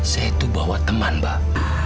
saya tuh bawa teman mbah